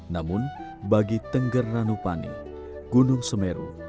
namun bagi tengger ranupani gunung semeru